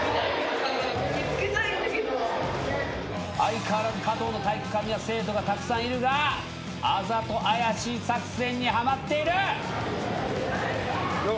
相変わらず加藤の体育館には生徒がたくさんいるがアザトアヤシイ作戦にはまっている！